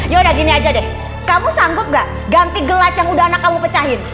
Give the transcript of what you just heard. yaudah gini aja deh kamu sanggup gak ganti gelap yang udah anak kamu pecahin